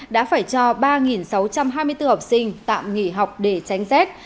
đã phải cho ba sáu trăm hai mươi bốn học sinh tạm nghỉ học để tránh rét